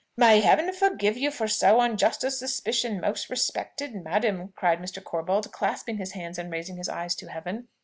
"May Heaven forgive you for so unjust a suspicion, most respected madam!" cried Mr. Corbold, clasping his hands and raising his eyes to Heaven.